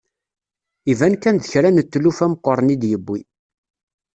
Iban kan d kra n tlufa meqqren i d-yiwi.